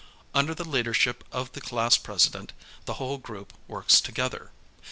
Under the leadership of the class president the whole group works together.